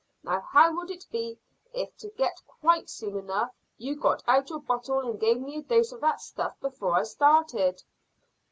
Now how would it be if to get quite soon enough you got out your bottle and gave me a dose of that stuff before I started?"